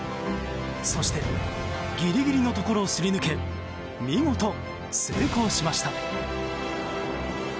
そしてギリギリのところをすり抜け、見事成功しました。